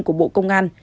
của bộ công an